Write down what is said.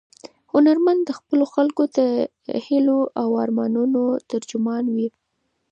هنرمند د خپلو خلکو د هیلو او ارمانونو ترجمان وي.